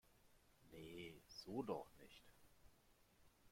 Nee, so doch nicht!